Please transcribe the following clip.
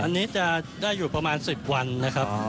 อันนี้จะได้อยู่ประมาณ๑๐วันนะครับ